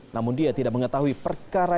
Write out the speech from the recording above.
namun dia tidak mengetahui perkara